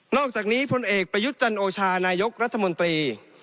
อกจากนี้พลเอกประยุทธ์จันโอชานายกรัฐมนตรี